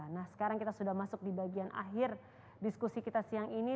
nah sekarang kita sudah masuk di bagian akhir diskusi kita siang ini